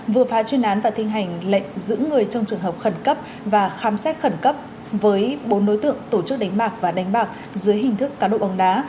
vừa phá chuyên án và thi hành lệnh giữ người trong trường hợp khẩn cấp và khám xét khẩn cấp với bốn đối tượng tổ chức đánh bạc và đánh bạc dưới hình thức cá độ bóng đá